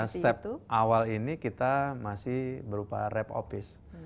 step awal ini kita masih berupa rap office